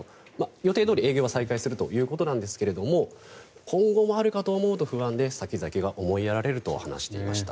予定どおり営業は再開するということですが今後もあるかと思うと不安で先々が思いやられると話していました。